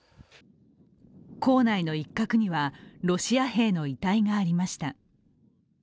校内の一角には、ロシア兵の遺体がありました。